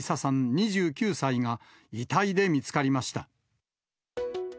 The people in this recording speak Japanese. ２９歳が遺体で見つかりました。